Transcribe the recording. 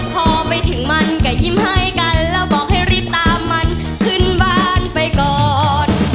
พอไปถึงมันก็ยิ้มให้กันแล้วบอกให้รีบตามมันขึ้นบ้านไปก่อน